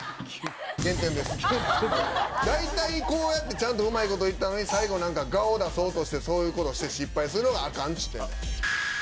大体こうやってちゃんとうまいこといったのに最後我を出そうとしてそういうことして失敗するのがアカンって言うてんねん。